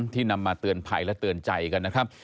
นำมาเตือนภัยและเตือนใจกันนะครับ